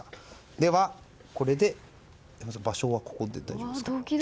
では、これで場所はここで大丈夫ですか？